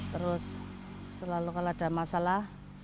terus selalu kalau ada masalah